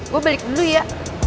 gue balik dulu ya